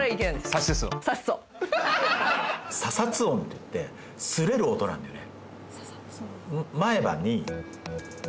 さしすせそ歯擦音っていって擦れる音なんだよね